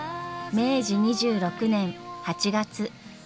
明治２６年８月。